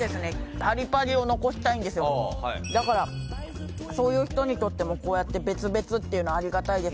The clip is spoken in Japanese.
はいだからそういう人にとってもこうやって別々っていうのはありがたいです